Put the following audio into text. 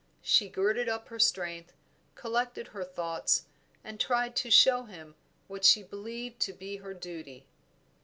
She girded up her strength, collected her thoughts, and tried to show him what she believed to be her duty.